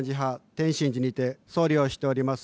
天真寺にて僧侶をしております